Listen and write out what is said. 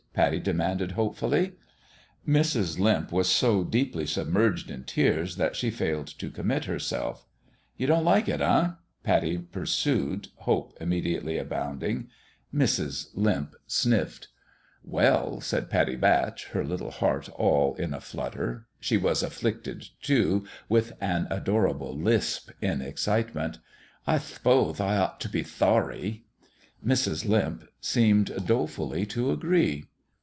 " Pattie demanded, hope fully. Mrs. Limp was so deeply submerged in tears that she failed to commit herself. The WISTFUL HEART 89 " You don't like it, eh? " Pattie pursued, hope immediately abounding. Mrs. Limp sniffed. " Well," said Pattie, her little heart all in a flutter she was afflicted, too, with an adorable lisp in excitement " I th'pothe I ought t' be thorry" Mrs. Limp seemed dolefully to agree.